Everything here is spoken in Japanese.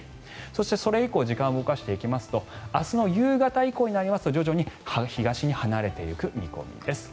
そしてそれ以降時間を動かしていきますと明日の夕方以降になりますと徐々に東に離れていく見込みです。